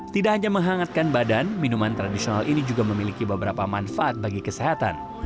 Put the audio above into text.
tidak hanya menghangatkan badan minuman tradisional ini juga memiliki beberapa manfaat bagi kesehatan